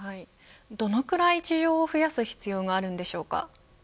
どのくらい需要を増やす必要があるんでしょうか。